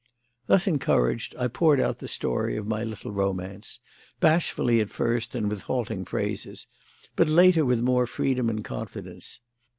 Thus encouraged, I poured out the story of my little romance; bashfully at first and with halting phrases, but, later, with more freedom and confidence.